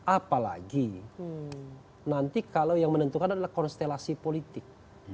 apalagi nanti kalau yang menentukan adalah konstelasi politik